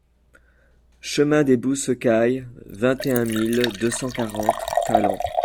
Chemin des Boussecailles, vingt et un mille deux cent quarante Talant